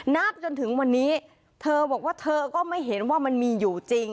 ณจนถึงวันนี้เธอบอกว่าเธอก็ไม่เห็นว่ามันมีอยู่จริง